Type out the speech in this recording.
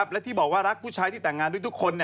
และที่บอกว่ารักผู้ชายที่แต่งงานด้วยทุกคน